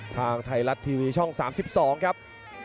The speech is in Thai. ทางไทยรัฐทีวีช่อง๓๒ครับ